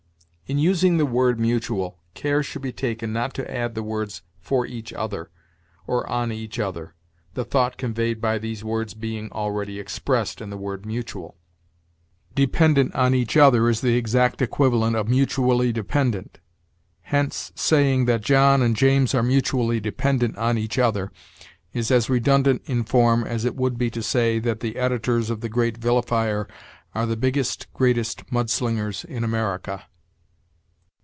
In using the word mutual, care should be taken not to add the words for each other or on each other, the thought conveyed by these words being already expressed in the word mutual. "Dependent on each other" is the exact equivalent of "mutually dependent"; hence, saying that John and James are mutually dependent on each other is as redundant in form as it would be to say that the editors of "The Great Vilifier" are the biggest, greatest mud slingers in America.